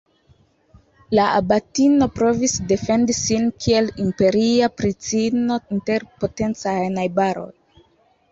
La abatino provis defendi sin kiel imperia princino inter potencaj najbaroj.